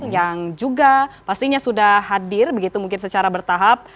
yang juga pastinya sudah hadir begitu mungkin secara bertahap